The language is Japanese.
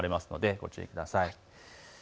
ご注意ください。